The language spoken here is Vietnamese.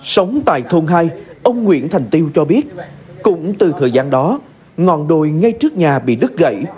sống tại thôn hai ông nguyễn thành tiêu cho biết cũng từ thời gian đó ngọn đồi ngay trước nhà bị đứt gãy